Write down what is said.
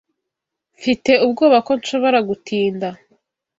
Mfite ubwoba ko nshobora gutinda.